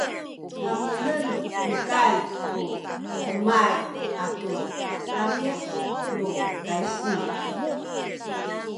haminen mukan ku hemay atu lami’ nu kaysing